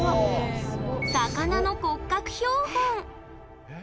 魚の骨格標本。